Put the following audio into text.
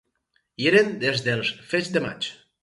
Hi eren des dels fets de maig